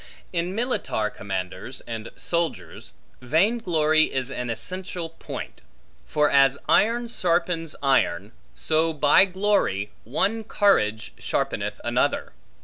In militar commanders and soldiers, vain glory is an essential point; for as iron sharpens iron, so by glory, one courage sharpeneth another.